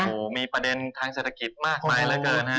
โอ้โหมีประเด็นทางเศรษฐกิจมากมายเหลือเกินฮะ